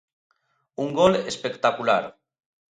Un gol espectacular.